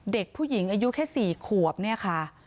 เด็กผู้หญิงอายุแค่๔ขวบเนี่ยค่ะ